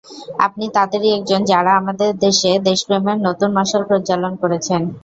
আপনি তাঁদেরই একজন, যাঁরা আমাদের দেশে দেশপ্রেমের নতুন মশাল প্রজ্বালন করেছেন।